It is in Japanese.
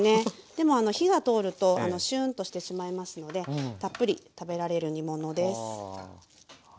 でもあの火が通るとシュンとしてしまいますのでたっぷり食べられる煮物です。